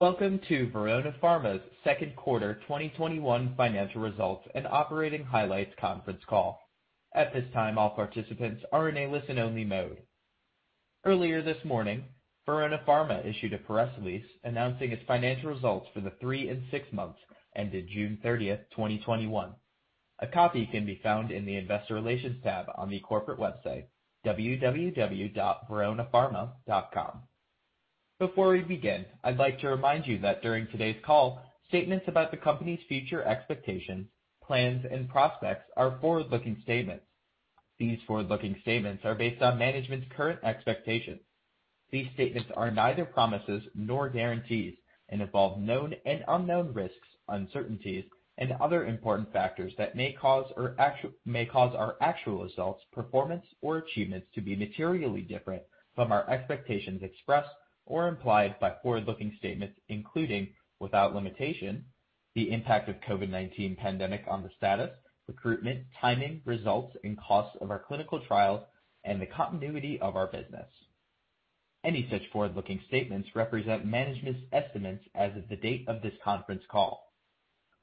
Welcome to Verona Pharma's second quarter 2021 financial results and operating highlights conference call. At this time, all participants are in a listen-only mode. Earlier this morning, Verona Pharma issued a press release announcing its financial results for the three and six months ended June 30th, 2021. A copy can be found in the investor relations tab on the corporate website, www.veronapharma.com. Before we begin, I'd like to remind you that during today's call, statements about the company's future expectations, plans, and prospects are forward-looking statements. These forward-looking statements are based on management's current expectations. These statements are neither promises nor guarantees and involve known and unknown risks, uncertainties, and other important factors that may cause our actual results, performance, or achievements to be materially different from our expectations expressed or implied by forward-looking statements, including, without limitation, the impact of COVID-19 pandemic on the status, recruitment, timing, results, and costs of our clinical trials and the continuity of our business. Any such forward-looking statements represent management's estimates as of the date of this conference call.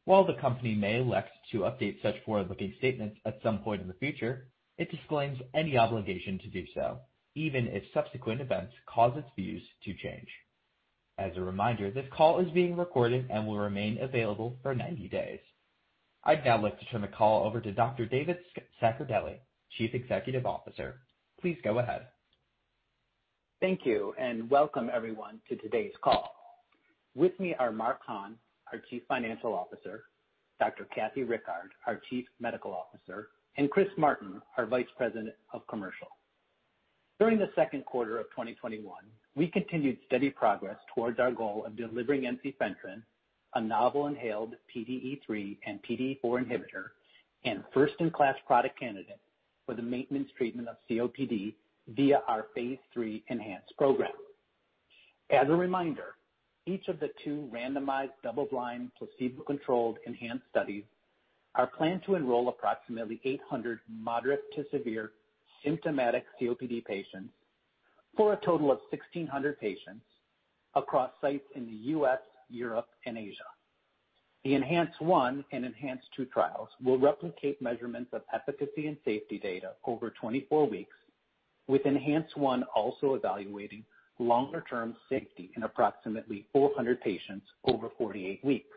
While the company may elect to update such forward-looking statements at some point in the future, it disclaims any obligation to do so, even if subsequent events cause its views to change. As a reminder, this call is being recorded and will remain available for 90 days. I'd now like to turn the call over to Dr. David Zaccardelli, Chief Executive Officer. Please go ahead. Thank you. Welcome everyone to today's call. With me are Mark Hahn, our Chief Financial Officer, Dr. Kathleen Rickard, our Chief Medical Officer, and Chris Martin, our Vice President of Commercial. During the second quarter of 2021, we continued steady progress towards our goal of delivering ensifentrine, a novel inhaled PDE3 and PDE4 inhibitor and first-in-class product candidate for the maintenance treatment of COPD via our phase III ENHANCE program. As a reminder, each of the two randomized double-blind placebo-controlled ENHANCE studies are planned to enroll approximately 800 moderate to severe symptomatic COPD patients for a total of 1,600 patients across sites in the U.S., Europe, and Asia. The ENHANCE-1 and ENHANCE-2 trials will replicate measurements of efficacy and safety data over 24 weeks with ENHANCE-1 also evaluating longer-term safety in approximately 400 patients over 48 weeks.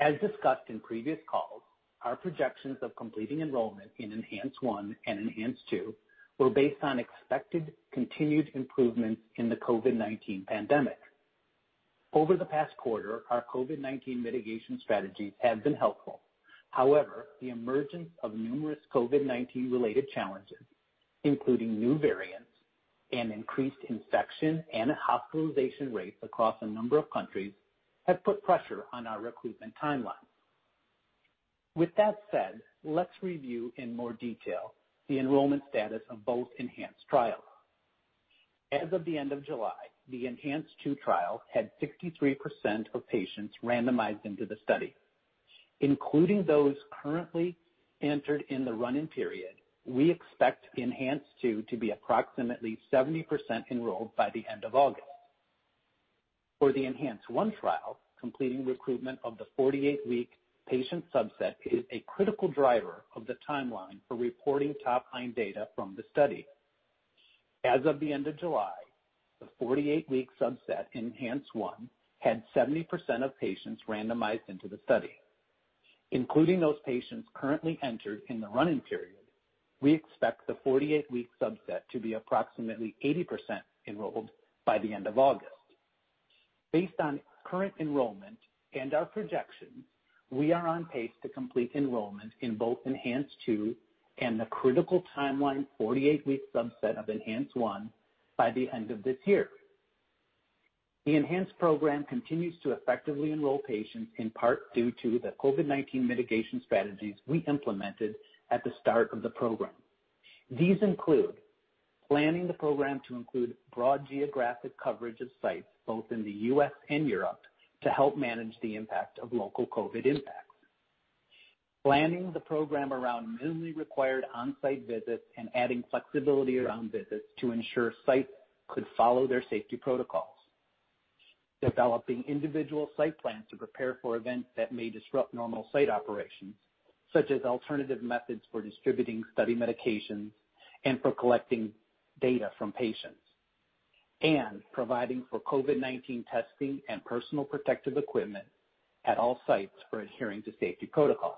As discussed in previous calls, our projections of completing enrollment in ENHANCE-1 and ENHANCE-2 were based on expected continued improvements in the COVID-19 pandemic. Over the past quarter, our COVID-19 mitigation strategies have been helpful. However, the emergence of numerous COVID-19 related challenges, including new variants and increased infection and hospitalization rates across a number of countries, have put pressure on our recruitment timelines. With that said, let's review in more detail the enrollment status of both ENHANCE trials. As of the end of July, the ENHANCE-2 trial had 63% of patients randomized into the study. Including those currently entered in the run-in period, we expect ENHANCE-2 to be approximately 70% enrolled by the end of August. For the ENHANCE-1 trial, completing recruitment of the 48-week patient subset is a critical driver of the timeline for reporting top-line data from the study. As of the end of July, the 48-week subset in ENHANCE-1 had 70% of patients randomized into the study. Including those patients currently entered in the run-in period, we expect the 48-week subset to be approximately 80% enrolled by the end of August. Based on current enrollment and our projections, we are on pace to complete enrollment in both ENHANCE-2 and the critical timeline 48-week subset of ENHANCE-1 by the end of this year. The ENHANCE program continues to effectively enroll patients in part due to the COVID-19 mitigation strategies we implemented at the start of the program. These include planning the program to include broad geographic coverage of sites both in the U.S. and Europe to help manage the impact of local COVID impacts. Planning the program around minimally required on-site visits and adding flexibility around visits to ensure sites could follow their safety protocols. Developing individual site plans to prepare for events that may disrupt normal site operations, such as alternative methods for distributing study medications and for collecting data from patients. Providing for COVID-19 testing and personal protective equipment at all sites for adhering to safety protocols.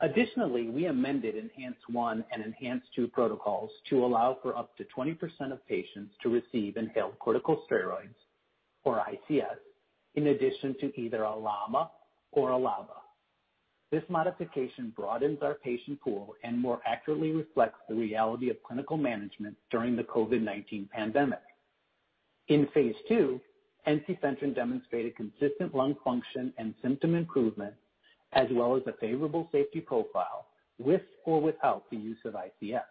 Additionally, we amended ENHANCE-1 and ENHANCE-2 protocols to allow for up to 20% of patients to receive inhaled corticosteroids, or ICS, in addition to either a LAMA or a LABA. This modification broadens our patient pool and more accurately reflects the reality of clinical management during the COVID-19 pandemic. In phase II, ensifentrine demonstrated consistent lung function and symptom improvement, as well as a favorable safety profile with or without the use of ICS.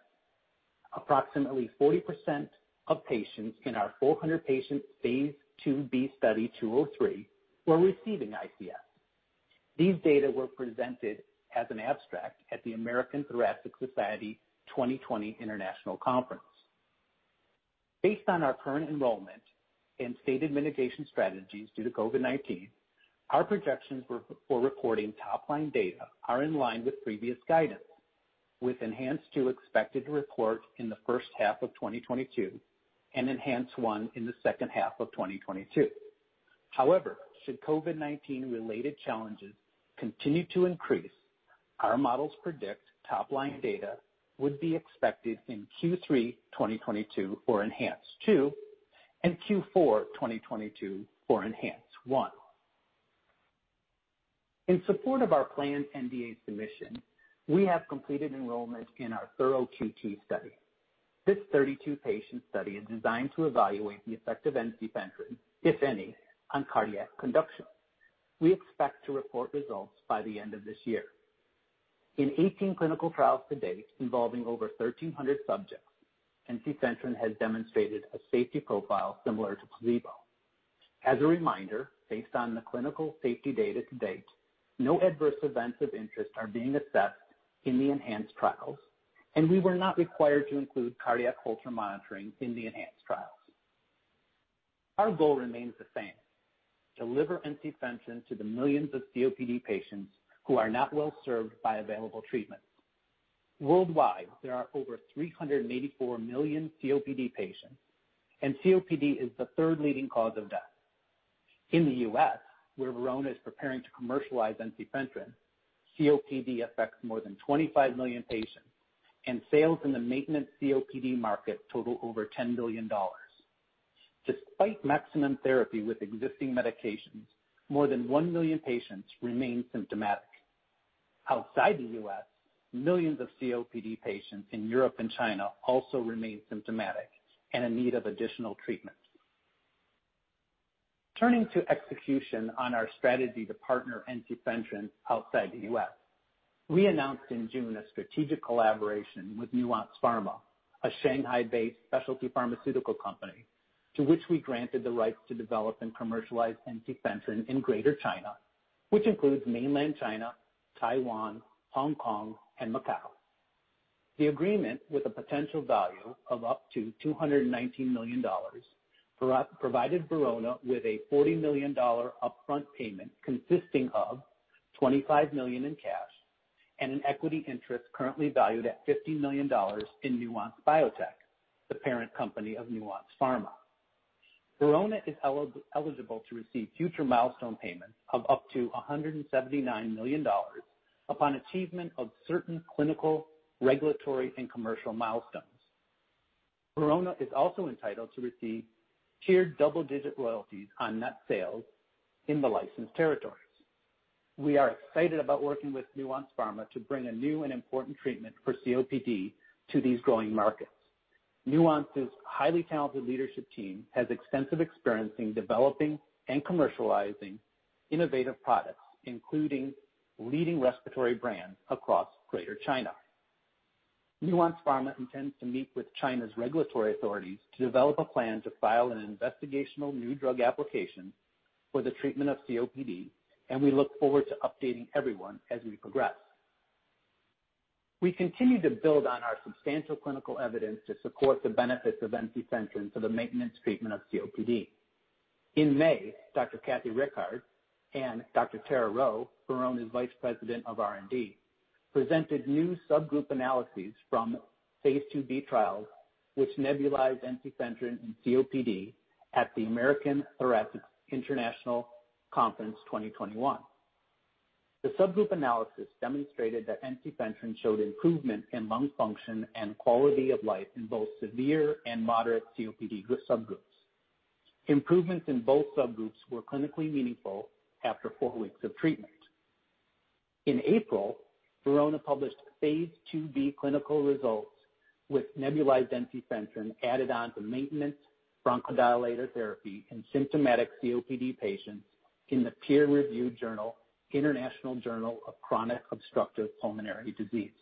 Approximately 40% of patients in our 400-patient phase IIb study, 203, were receiving ICS. These data were presented as an abstract at the American Thoracic Society International Conference 2020. Based on our current enrollment and stated mitigation strategies due to COVID-19, our projections for reporting top-line data are in line with previous guidance, with ENHANCE-2 expected to report in the first half of 2022 and ENHANCE-1 in the second half of 2022. Should COVID-19 related challenges continue to increase, our models predict top-line data would be expected in Q3 2022 for ENHANCE-2 and Q4 2022 for ENHANCE-1. In support of our planned NDA submission, we have completed enrollment in our thorough QT study. This 32-patient study is designed to evaluate the effect of ensifentrine, if any, on cardiac conduction. We expect to report results by the end of this year. In 18 clinical trials to date involving over 1,300 subjects, ensifentrine has demonstrated a safety profile similar to placebo. As a reminder, based on the clinical safety data to date, no adverse events of interest are being assessed in the ENHANCE trials, and we were not required to include cardiac monitoring in the ENHANCE trials. Our goal remains the same, deliver ensifentrine to the millions of COPD patients who are not well-served by available treatments. Worldwide, there are over 384 million COPD patients, and COPD is the third leading cause of death. In the U.S., where Verona is preparing to commercialize ensifentrine, COPD affects more than 25 million patients, and sales in the maintenance COPD market total over $10 billion. Despite maximum therapy with existing medications, more than 1 million patients remain symptomatic. Outside the U.S., millions of COPD patients in Europe and China also remain symptomatic and in need of additional treatment. Turning to execution on our strategy to partner ensifentrine outside the U.S., we announced in June a strategic collaboration with Nuance Pharma, a Shanghai-based specialty pharmaceutical company, to which we granted the rights to develop and commercialize ensifentrine in Greater China, which includes mainland China, Taiwan, Hong Kong, and Macau. The agreement, with a potential value of up to $219 million, provided Verona with a $40 million upfront payment consisting of $25 million in cash and an equity interest currently valued at $50 million in Nuance Biotech, the parent company of Nuance Pharma. Verona is eligible to receive future milestone payments of up to $179 million upon achievement of certain clinical, regulatory, and commercial milestones. Verona is also entitled to receive tiered double-digit royalties on net sales in the licensed territories. We are excited about working with Nuance Pharma to bring a new and important treatment for COPD to these growing markets. Nuance's highly talented leadership team has extensive experience in developing and commercializing innovative products, including leading respiratory brands across Greater China. Nuance Pharma intends to meet with China's regulatory authorities to develop a plan to file an investigational new drug application for the treatment of COPD, and we look forward to updating everyone as we progress. We continue to build on our substantial clinical evidence to support the benefits of ensifentrine for the maintenance treatment of COPD. In May, Dr. Kathleen Rickard and Dr. Tara Rheault, Verona's Vice President of R&D, presented new subgroup analyses from phase IIb trials with nebulized ensifentrine in COPD at the American Thoracic Society International Conference 2021. The subgroup analysis demonstrated that ensifentrine showed improvement in lung function and quality of life in both severe and moderate COPD subgroups. Improvements in both subgroups were clinically meaningful after four weeks of treatment. In April, Verona published phase IIb clinical results with nebulized ensifentrine added on to maintenance bronchodilator therapy in symptomatic COPD patients in the peer-reviewed journal, International Journal of Chronic Obstructive Pulmonary Disease.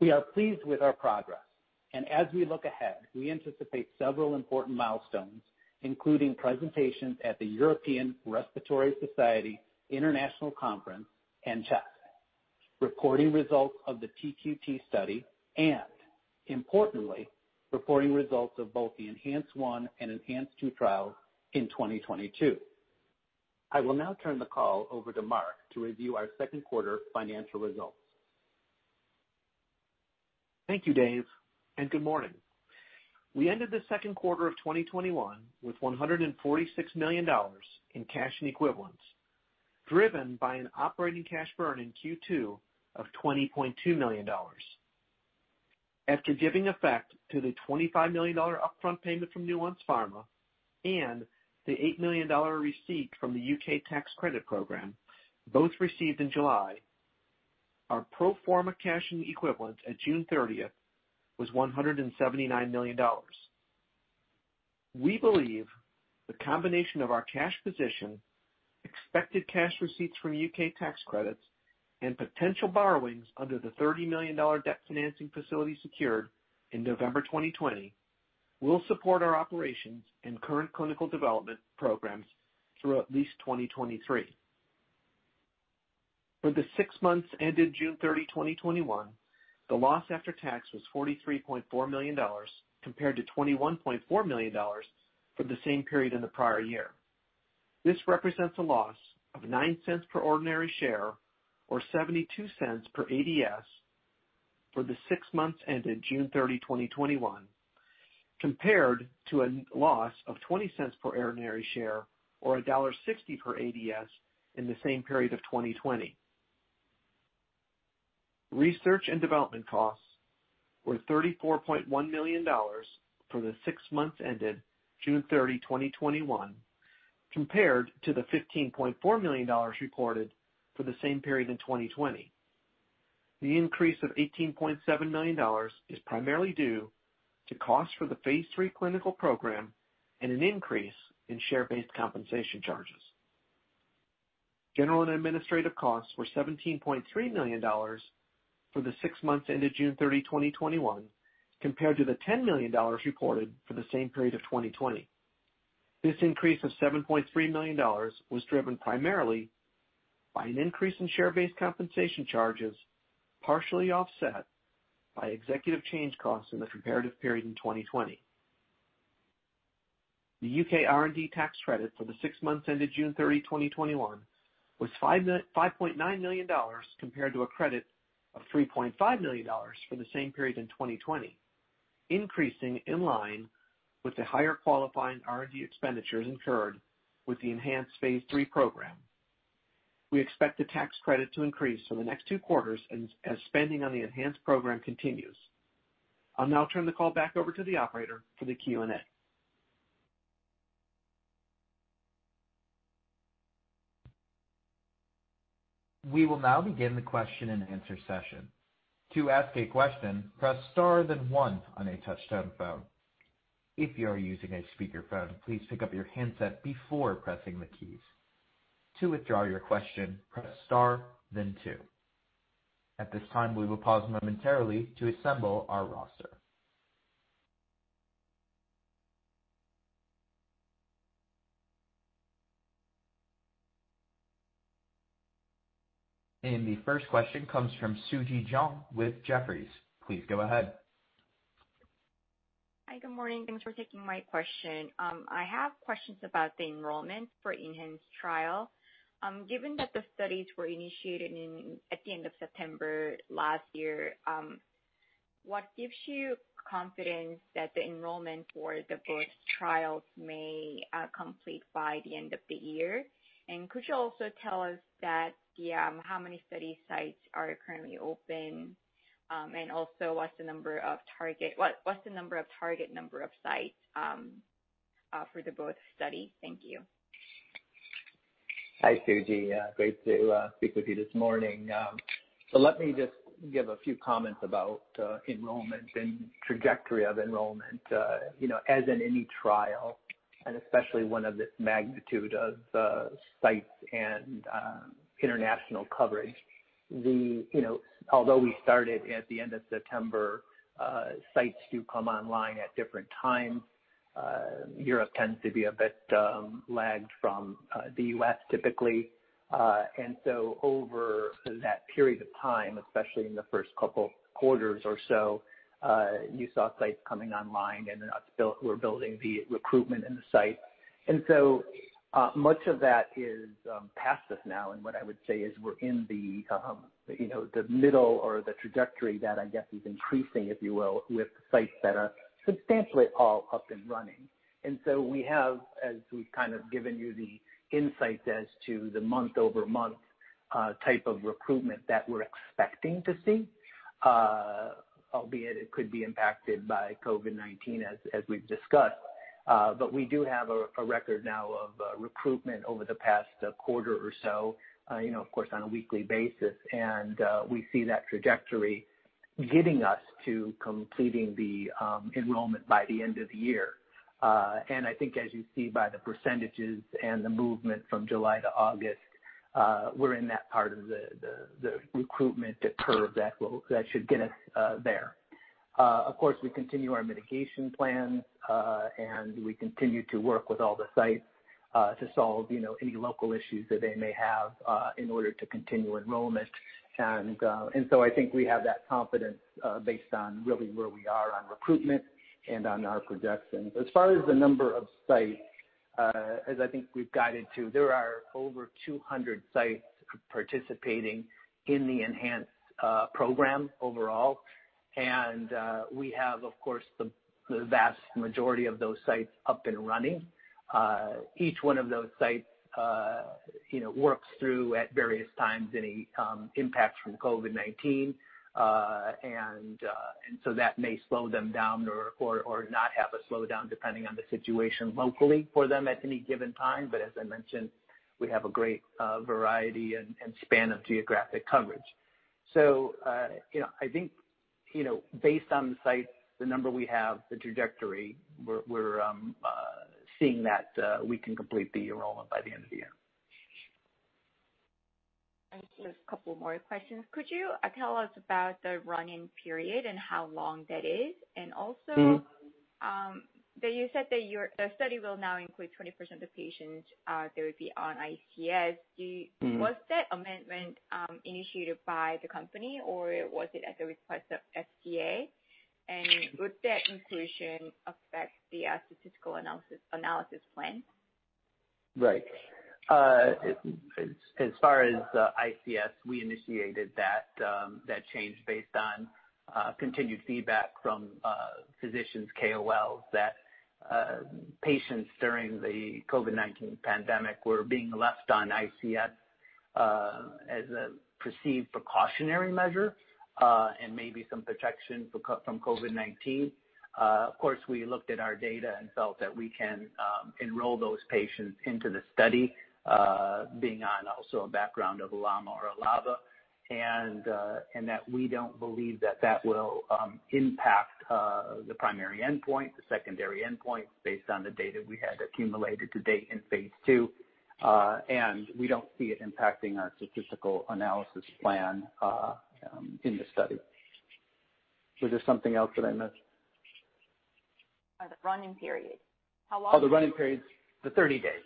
We are pleased with our progress, and as we look ahead, we anticipate several important milestones, including presentations at the European Respiratory Society International Congress and CHEST, recording results of the TQT study, and importantly, reporting results of both the ENHANCE-1 and ENHANCE-2 trials in 2022. I will now turn the call over to Mark to review our second quarter financial results. Thank you, Dave, and good morning. We ended the second quarter of 2021 with $146 million in cash and equivalents, driven by an operating cash burn in Q2 of $20.2 million. After giving effect to the $25 million upfront payment from Nuance Pharma and the $8 million receipt from the U.K. tax credit program, both received in July, our pro forma cash and equivalents at June 30th was $179 million. We believe the combination of our cash position, expected cash receipts from U.K. tax credits, and potential borrowings under the $30 million debt financing facility secured in November 2020 will support our operations and current clinical development programs through at least 2023. For the six months ended June 30, 2021, the loss after tax was $43.4 million, compared to $21.4 million for the same period in the prior year. This represents a loss of $0.09 per ordinary share, or $0.72 per ADS for the six months ended June 30, 2021, compared to a loss of $0.20 per ordinary share or $1.60 per ADS in the same period of 2020. Research and development costs were $34.1 million for the six months ended June 30, 2021, compared to the $15.4 million reported for the same period in 2020. The increase of $18.7 million is primarily due to costs for the phase III clinical program and an increase in share-based compensation charges. General and administrative costs were $17.3 million for the six months ended June 30, 2021, compared to the $10 million reported for the same period of 2020. This increase of $7.3 million was driven primarily by an increase in share-based compensation charges, partially offset by executive change costs in the comparative period in 2020. The U.K. R&D tax credit for the six months ended June 30, 2021, was $5.9 million, compared to a credit of $3.5 million for the same period in 2020, increasing in line with the higher qualifying R&D expenditures incurred with the ENHANCE phase III program. We expect the tax credit to increase for the next two quarters as spending on the ENHANCE program continues. I'll now turn the call back over to the operator for the Q&A. We will now begin the question-and-answer session. To ask a question, press star then one on a touch-tone phone. If you are using a speakerphone, please pick up your handset before pressing the keys. To withdraw your question, press star then two. At this time, we will pause momentarily to assemble our roster. The first question comes from Suji Jeong with Jefferies. Please go ahead. Hi. Good morning. Thanks for taking my question. I have questions about the enrollment for ENHANCE trial. Given that the studies were initiated at the end of September last year, what gives you confidence that the enrollment for the both trials may complete by the end of the year? Could you also tell us how many study sites are currently open? Also, what's the target number of sites for the both studies? Thank you. Hi, Suji. Great to speak with you this morning. Let me just give a few comments about enrollment and trajectory of enrollment. As in any trial, and especially one of this magnitude of sites and international coverage, although we started at the end of September, sites do come online at different times. Europe tends to be a bit lagged from the U.S., typically. Over that period of time, especially in the first two quarters or so, you saw sites coming online and we're building the recruitment in the site. I would say is we're in the middle or the trajectory that I guess is increasing, if you will, with sites that are substantially all up and running. We have, as we've kind of given you the insights as to the month-over-month type of recruitment that we're expecting to see, albeit it could be impacted by COVID-19, as we've discussed. We do have a record now of recruitment over the past quarter or so, of course, on a weekly basis. We see that trajectory getting us to completing the enrollment by the end of the year. I think as you see by the percentages and the movement from July to August, we're in that part of the recruitment curve that should get us there. Of course, we continue our mitigation plan, and we continue to work with all the sites to solve any local issues that they may have in order to continue enrollment. I think we have that confidence based on really where we are on recruitment and on our projections. As far as the number of sites as I think we've guided to, there are over 200 sites participating in the ENHANCE program overall. We have, of course, the vast majority of those sites up and running. Each one of those sites works through, at various times, any impacts from COVID-19. That may slow them down or not have a slowdown depending on the situation locally for them at any given time. As I mentioned, we have a great variety and span of geographic coverage. I think based on the sites, the number we have, the trajectory, we're seeing that we can complete the enrollment by the end of the year. Just a couple more questions. Could you tell us about the run-in period and how long that is? You said that the study will now include 20% of patients that would be on ICS. Was that amendment initiated by the company or was it at the request of FDA? Would that inclusion affect the statistical analysis plan? Right. As far as ICS, we initiated that change based on continued feedback from physicians, KOLs, that patients during the COVID-19 pandemic were being left on ICS as a perceived precautionary measure and maybe some protection from COVID-19. Of course, we looked at our data and felt that we can enroll those patients into the study, being on also a background of a LAMA or a LABA, and that we don't believe that will impact the primary endpoint, the secondary endpoint, based on the data we had accumulated to date in phase II. We don't see it impacting our statistical analysis plan in the study. Was there something else that I missed? The run-in period. How long- Oh, the run-in period. The 30 days.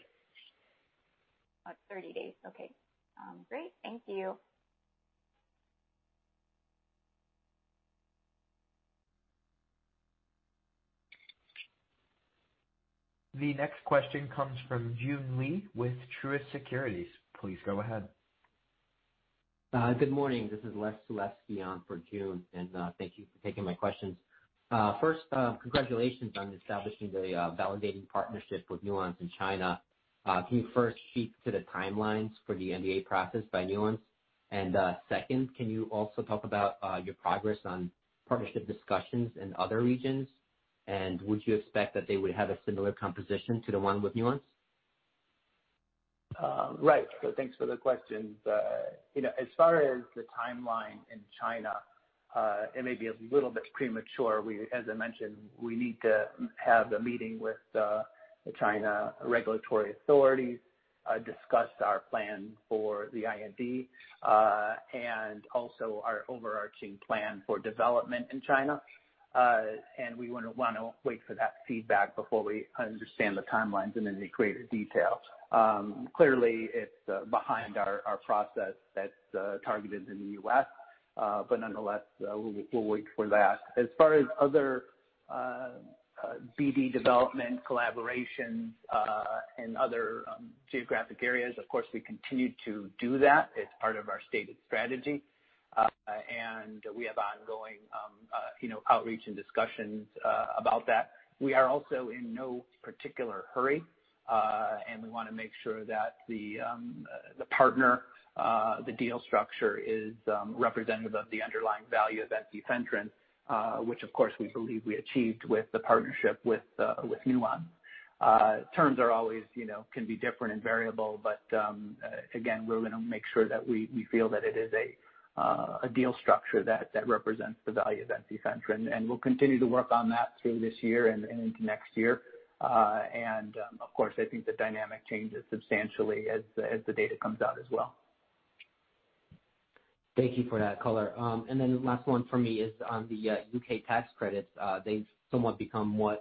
Oh, 30 days. Okay. Great. Thank you. The next question comes from Joon Lee with Truist Securities. Please go ahead. Good morning. This is Les Sulewski on for Joon Lee, and thank you for taking my questions. First, congratulations on establishing the validating partnership with Nuance in China. Can you first speak to the timelines for the NDA process by Nuance? Second, can you also talk about your progress on partnership discussions in other regions? Would you expect that they would have a similar composition to the one with Nuance? Right. Thanks for the questions. As far as the timeline in China, it may be a little bit premature. As I mentioned, we need to have the meeting with the China regulatory authorities, discuss our plan for the IND, and also our overarching plan for development in China. We want to wait for that feedback before we understand the timelines and in greater detail. Clearly, it's behind our process that's targeted in the U.S., nonetheless, we'll wait for that. As far as other BD development collaborations in other geographic areas, of course, we continue to do that. It's part of our stated strategy. We have ongoing outreach and discussions about that. We are also in no particular hurry. We want to make sure that the partner, the deal structure is representative of the underlying value of ensifentrine, which of course, we believe we achieved with the partnership with Nuance. Terms can be different and variable. Again, we're going to make sure that we feel that it is a deal structure that represents the value of ensifentrine. We'll continue to work on that through this year and into next year. Of course, I think the dynamic changes substantially as the data comes out as well. Thank you for that color. Last one from me is on the U.K. tax credits. They've somewhat become more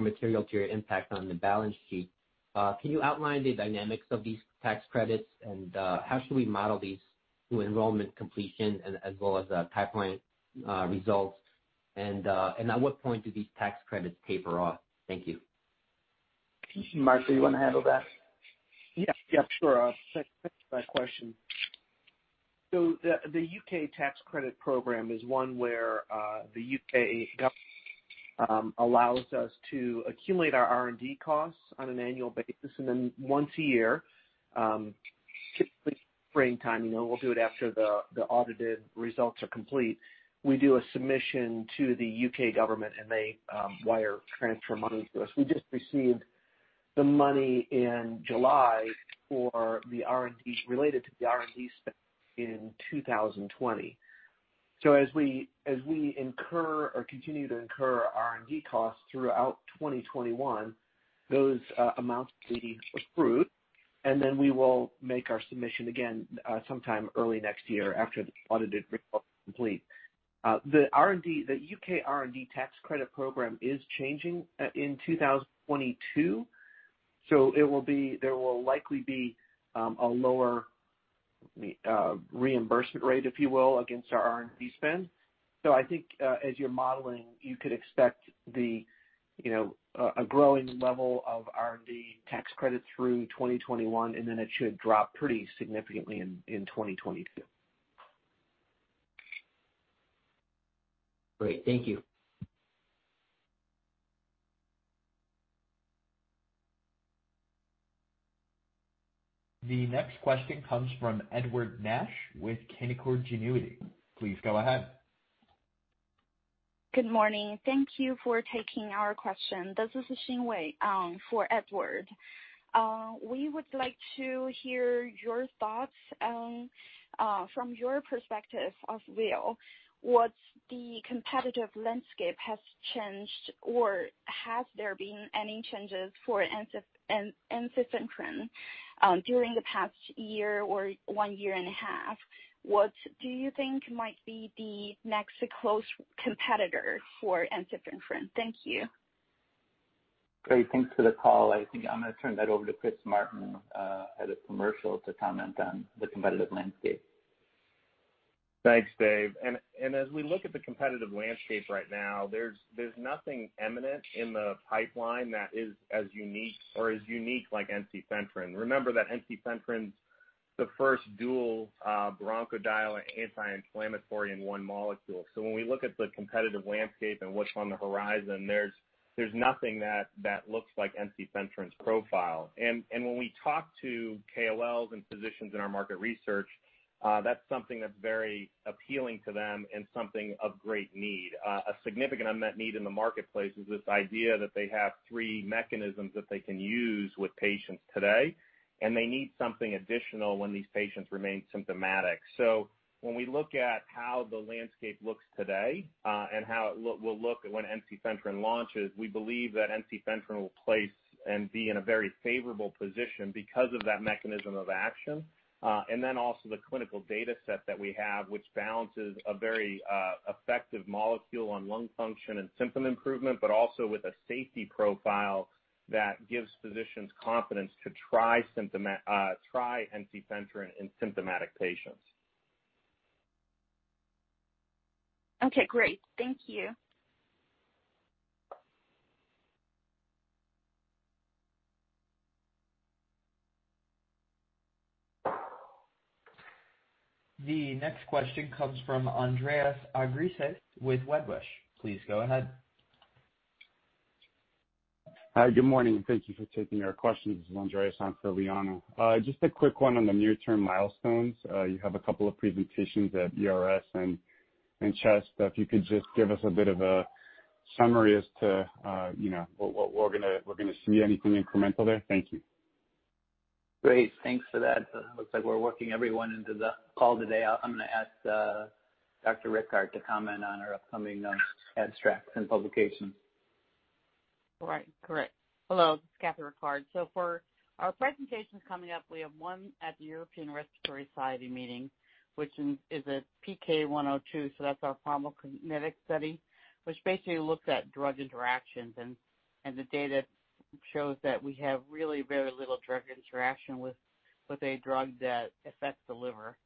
material to your impact on the balance sheet. Can you outline the dynamics of these tax credits? How should we model these through enrollment completion as well as pipeline results? At what point do these tax credits taper off? Thank you. Mark, do you want to handle that? Yeah, sure. Thanks for that question. The U.K. tax credit program is one where the U.K. government allows us to accumulate our R&D costs on an annual basis. One a year, typically springtime, we'll do it after the audited results are complete. We do a submission to the U.K. government, and they wire transfer money to us. We just received the money in July related to the R&D spent in 2020. As we incur or continue to incur R&D costs throughout 2021, those amounts will be approved, and then we will make our submission again sometime early next year after the audited results are complete. The U.K. R&D tax credit program is changing in 2022, so there will likely be a lower reimbursement rate, if you will, against our R&D spend. I think as you're modeling, you could expect a growing level of R&D tax credit through 2021, and then it should drop pretty significantly in 2022. Great. Thank you. The next question comes from Edward Nash with Canaccord Genuity. Please go ahead. Good morning. Thank you for taking our question. This is Xinwei for Edward. We would like to hear your thoughts from your perspective of Verona. What's the competitive landscape has changed or has there been any changes for ensifentrine? During the past year or one year and a half, what do you think might be the next close competitor for ensifentrine? Thank you. Great. Thanks for the call. I think I'm going to turn that over to Chris Martin, head of commercial, to comment on the competitive landscape. Thanks, Dave. As we look at the competitive landscape right now, there's nothing eminent in the pipeline that is as unique like ensifentrine. Remember that ensifentrine's the first dual bronchodilator anti-inflammatory in one molecule. When we look at the competitive landscape and what's on the horizon, there's nothing that looks like ensifentrine's profile. When we talk to KOLs and physicians in our market research, that's something that's very appealing to them and something of great need. A significant unmet need in the marketplace is this idea that they have three mechanisms that they can use with patients today, and they need something additional when these patients remain symptomatic. When we look at how the landscape looks today and how it will look when ensifentrine launches, we believe that ensifentrine will place and be in a very favorable position because of that mechanism of action. Also the clinical data set that we have which balances a very effective molecule on lung function and symptom improvement, but also with a safety profile that gives physicians confidence to try ensifentrine in symptomatic patients. Okay, great. Thank you. The next question comes from Andreas Argyrides with Wedbush Securities. Please go ahead. Hi, good morning, and thank you for taking our questions. This is Andreas on for Liana. Just a quick one on the near-term milestones. You have a couple of presentations at ERS and CHEST. If you could just give us a bit of a summary as to what we're going to see, anything incremental there? Thank you. Great. Thanks for that. Looks like we're working everyone into the call today. I'm going to ask Dr. Rickard to comment on our upcoming abstracts and publications. Right. Correct. Hello, this is Kathleen Rickard. For our presentations coming up, we have one at the European Respiratory Society meeting, which is at PK102, so that's our pharmacokinetic study, which basically looks at drug interactions and the data shows that we have really very little drug interaction with a drug that affects the liver.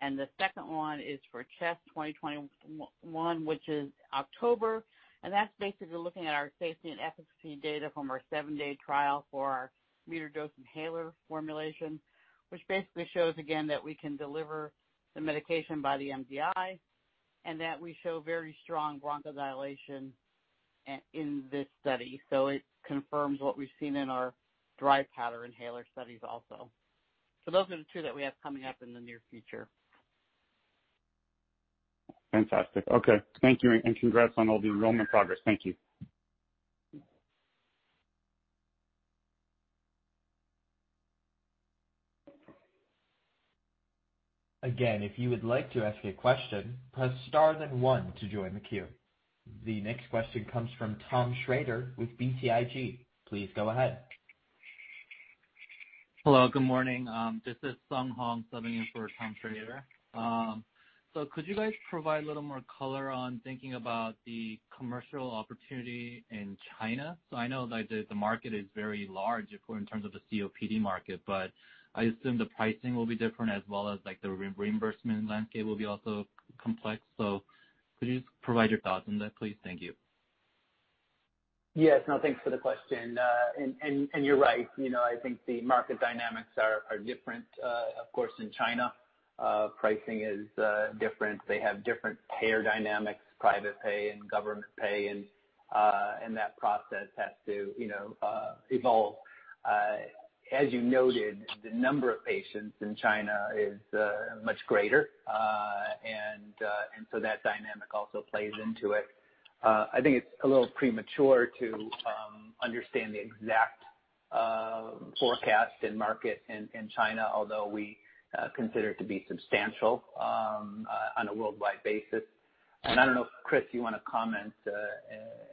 The second one is for CHEST 2021, which is October, that's basically looking at our safety and efficacy data from our seven-day trial for our metered-dose inhaler formulation, which basically shows again that we can deliver the medication by the MDI and that we show very strong bronchodilation in this study. It confirms what we've seen in our dry powder inhaler studies also. Those are the two that we have coming up in the near future. Fantastic. Okay. Thank you, and congrats on all the enrollment progress. Thank you. Again, if you would like to ask a question, press star then one to join the queue. The next question comes from Thomas Schrader with BTIG. Please go ahead. Hello, good morning. This is Sung Ji Nam subbing in for Tom Schrader. Could you guys provide a little more color on thinking about the commercial opportunity in China? I know that the market is very large in terms of the COPD market, but I assume the pricing will be different as well as the reimbursement landscape will be also complex. Could you just provide your thoughts on that, please? Thank you. Yes. No, thanks for the question. You're right. I think the market dynamics are different. Of course, in China pricing is different. They have different payer dynamics, private pay and government pay and that process has to evolve. As you noted, the number of patients in China is much greater and so that dynamic also plays into it. I think it's a little premature to understand the exact forecast and market in China, although we consider it to be substantial on a worldwide basis. I don't know if, Chris, you want to comment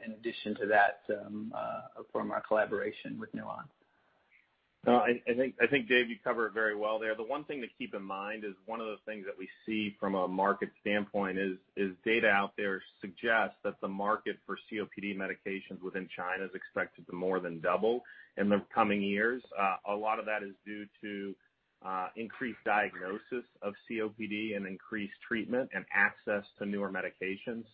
in addition to that from our collaboration with Nuance. I think Dave you covered it very well there. The one thing to keep in mind is one of the things that we see from a market standpoint is data out there suggests that the market for COPD medications within China is expected to more than double in the coming years. A lot of that is due to increased diagnosis of COPD and increased treatment and access to newer medications.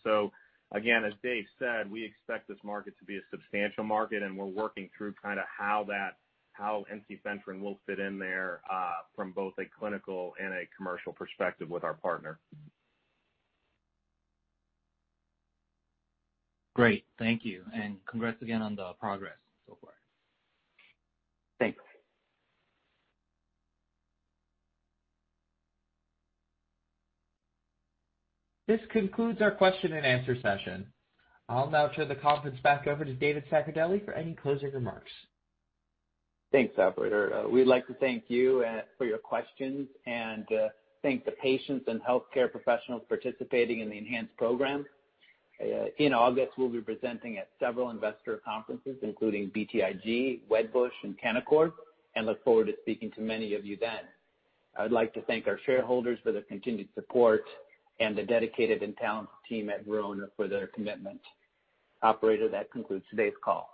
Again, as Dave said, we expect this market to be a substantial market and we're working through how ensifentrine will fit in there from both a clinical and a commercial perspective with our partner. Great. Thank you, and congrats again on the progress so far. Thanks. This concludes our question-and-answer session. I'll now turn the conference back over to David Zaccardelli for any closing remarks. Thanks, operator. We'd like to thank you for your questions and thank the patients and healthcare professionals participating in the ENHANCE program. In August, we'll be presenting at several investor conferences, including BTIG, Wedbush, and Canaccord, and look forward to speaking to many of you then. I would like to thank our shareholders for their continued support and the dedicated and talented team at Verona for their commitment. Operator, that concludes today's call.